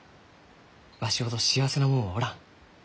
わしほど幸せな者はおらん。